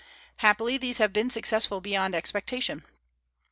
Happily these have been successful beyond expectation.